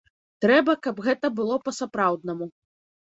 Трэба, каб гэта было па-сапраўднаму.